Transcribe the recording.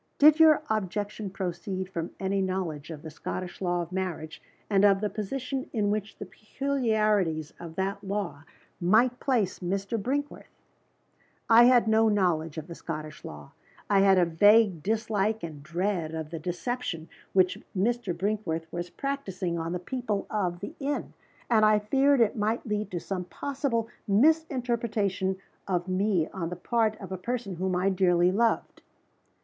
"Did your objection proceed from any knowledge of the Scottish law of marriage, and of the position in which the peculiarities of that law might place Mr. Brinkworth?" "I had no knowledge of the Scottish law. I had a vague dislike and dread of the deception which Mr. Brinkworth was practicing on the people of the inn. And I feared that it might lead to some possible misinterpretation of me on the part of a person whom I dearly loved."